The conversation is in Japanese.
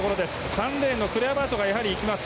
３レーンのクレアバートがいきます。